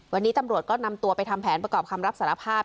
วันนี้ตำรวจก็นำตัวไปทำแผนประกอบคำรับสารภาพ